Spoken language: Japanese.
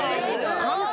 簡単！